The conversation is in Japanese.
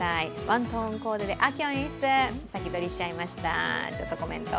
ワントーンコーデで秋を演出、先取りしちゃいました。